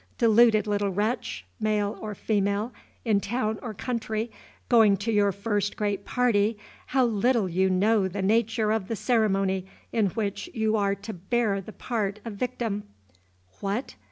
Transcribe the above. Deluded little wretch, male or female, in town or country, going to your first great party, how little you know the nature of the ceremony in which you are to bear the part of victim! What!